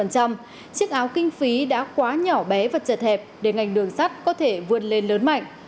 chiếc áo kinh phí đã quá nhỏ bé và chật hẹp để ngành đường sắt có thể vươn lên lớn mạnh